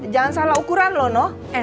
jangan salah ukuran lo no